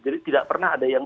jadi tidak pernah ada yang